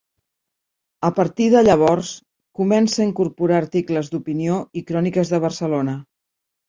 A partir de llavors, començà a incorporar articles d'opinió i cròniques de Barcelona.